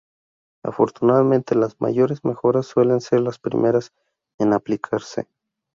Afortunadamente, las mayores mejoras suelen ser las primeras en aplicarse.